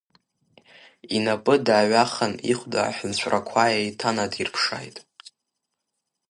Инапы дааҩахан, ихәда аҳәынҵәрақәа еиҭанадирԥшааит.